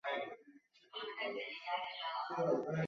汉肯斯比特尔是德国下萨克森州的一个市镇。